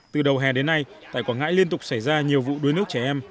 từ đầu hè đến nay tại quảng ngãi liên tục xảy ra nhiều vụ đuối nước trẻ em